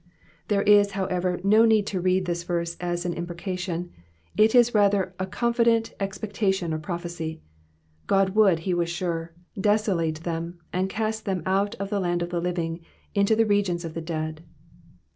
There is, however, no need to read this verse as an imprecation, it is rather a confident expectation or prophecy : God would, he was sure, desolate them, and cast them out of the land of the living into the regions of the dead.